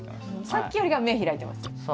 さっきよりかは目開いてます。